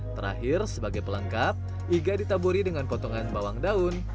terakhir sebagai pelengkap iga ditaburi dengan potongan bawang daun